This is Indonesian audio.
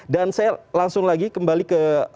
dan saya langsung lagi kembali ke mas sobari